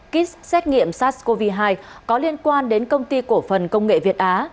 kit xét nghiệm sars cov hai có liên quan đến công ty cổ phần công nghệ việt á